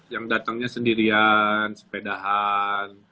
yang datangnya sendirian sepedahan